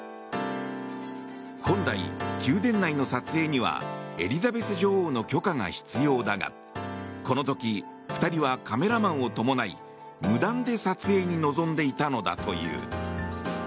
本来、宮殿内の撮影にはエリザベス女王の許可が必要だがこの時２人はカメラマンを伴い無断で撮影に臨んでいたのだという。